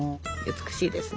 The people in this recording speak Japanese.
美しいですね。